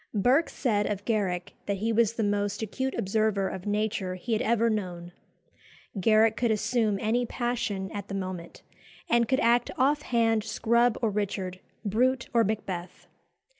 Burke said of Garrick that he was the most acute observer of nature he had ever known. Garrick could assume any passion at the moment, and could act off hand Scrub or Richard, Brute or Macbeth.